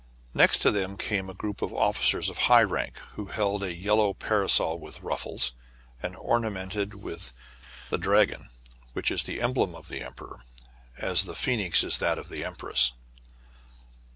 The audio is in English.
Next to them came a group of officers of high rank, who held a yellow parasol with ruffles, and ornamented with the dragon, which is the emblem of the emperor, as the phoenix is that of the empress.